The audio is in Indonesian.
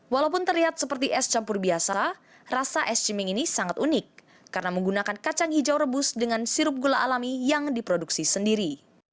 walaupun terlihat seperti es campur biasa rasa es ciming ini sangat unik karena menggunakan kacang hijau rebus dengan sirup gula alami yang diproduksi sendiri